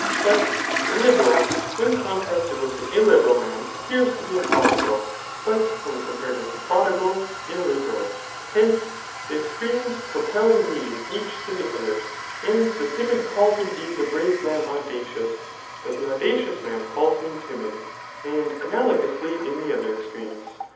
But the liberal when contrasted with the illiberal man appears to be a prodigal, but when compared wiUi tbe prod^l, iUflb^al, Htoce, Digitized by Google 70 THE KICOMACHeAN BOOK IK the extremes propel the medium each to the other, and the timid calls indeed the brave man audacious, but the audacious man calls him timid ; and analogously in the other extremes.